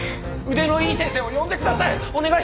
腕のいい先生を呼んでください！